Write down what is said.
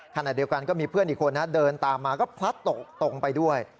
ขณะเดียวกันก็มีเพื่อนอีกคนเดินตามมาก็พลัดตกไปด้วย